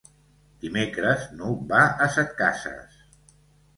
Dimecres n'Hug va a Setcases.